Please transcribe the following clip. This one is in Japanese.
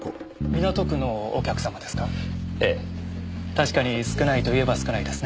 確かに少ないといえば少ないですね。